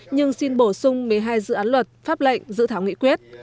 nhưng xin bổ sung một mươi hai dự án luật pháp lệnh dự thảo nghị quyết